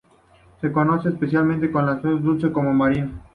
Se conocen especies tanto de agua dulce como marinas.